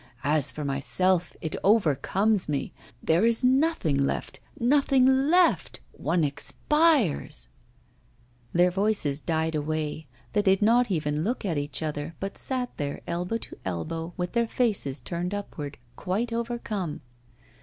As for myself, it overcomes me. There is nothing left, nothing left, one expires ' Their voices died away; they did not even look at each other, but sat there elbow to elbow, with their faces turned upward, quite overcome.